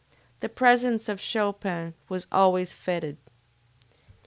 The presence of Chopin was always feted.